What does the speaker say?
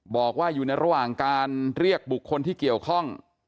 บอกว่าอยู่ในระหว่างการเรียกบุคคลที่เกี่ยวข้อง